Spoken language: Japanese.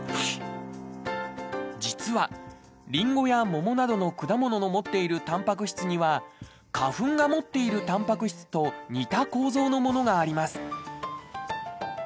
実は、りんごや桃などの果物の持っているたんぱく質には花粉が持っているたんぱく質と似た構造のものがあります。